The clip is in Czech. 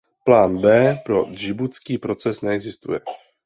Plán B pro džibutský proces neexistuje.